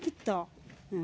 うん。